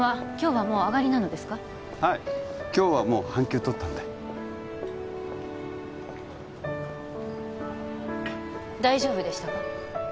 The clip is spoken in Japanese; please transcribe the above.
はい今日はもう半休取ったんで大丈夫でしたか？